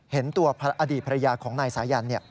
เห็นตัวอดีตภรรยาของนายสายัน